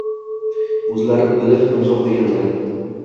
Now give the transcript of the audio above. Oʻzlari bilib imzo qoʻyganlar.